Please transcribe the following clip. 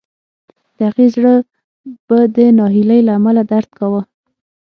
د هغې زړه به د ناهیلۍ له امله درد کاوه